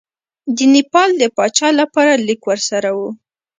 د نیپال د پاچا لپاره لیک ورسره وو.